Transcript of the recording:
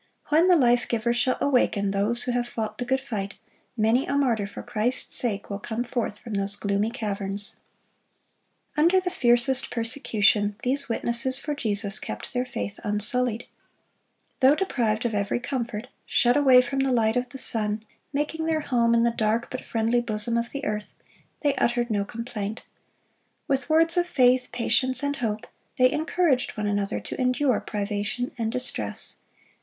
When the Lifegiver shall awaken those who have fought the good fight, many a martyr for Christ's sake will come forth from those gloomy caverns. Under the fiercest persecution, these witnesses for Jesus kept their faith unsullied. Though deprived of every comfort, shut away from the light of the sun, making their home in the dark but friendly bosom of the earth, they uttered no complaint. With words of faith, patience, and hope, they encouraged one another to endure privation and distress.